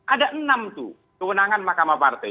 ada enam tuh kewenangan mahkamah partai